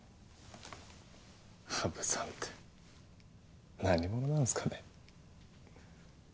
羽生さんって何者なんすかね？